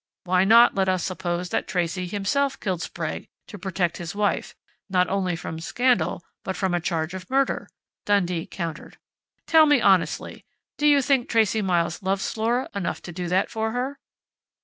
"Why not let us suppose that Tracey himself killed Sprague to protect his wife, not only from scandal, but from a charge of murder?" Dundee countered. "Tell me honestly: do you think Tracey Miles loves Flora enough to do that for her?"